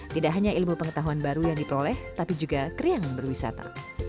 tidak hanya ilmu pengetahuan baru yang diperoleh tapi juga kriang berwisata